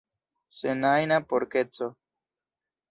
Sen ajna porkeco.